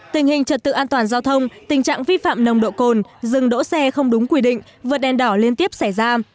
tình hình trật tự an toàn giao thông tình trạng vi phạm nồng độ cồn dừng đỗ xe không đúng quy định vượt đèn đỏ liên tiếp xảy ra